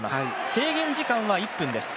制限時間は１分です。